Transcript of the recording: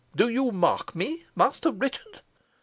Do you mark me, Master Richard?"